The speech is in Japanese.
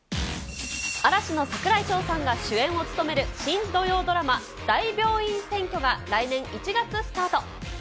嵐の櫻井翔さんが主演を務める新土曜ドラマ、大病院占拠が、来年１月スタート。